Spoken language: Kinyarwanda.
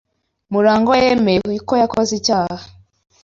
Murangwa yemeye ko yakoze icyaha.